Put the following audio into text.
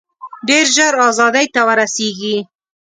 ډېر ژر آزادۍ ته ورسیږي.